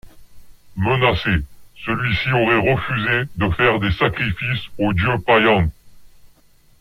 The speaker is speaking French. Menacé, celui-ci aurait refusé de faire des sacrifices aux dieux païens.